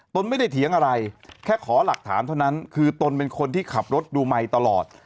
ตนไม่ได้เถียงอะไรแค่ขอหลักฐานเท่านั้นคือตนเป็นคนที่ขับรถดูไมค์ตลอด